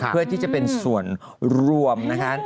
เพื่อที่จะเป็นส่วนรวมนะคะ